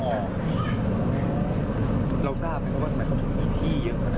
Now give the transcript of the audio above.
ไอ้แห่งวันเขาเวลาเวลาเขาพอมีที่